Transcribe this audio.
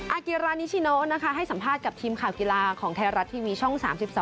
อากิรานิชิโนนะคะให้สัมภาษณ์กับทีมข่าวกีฬาของไทยรัฐทีวีช่อง๓๒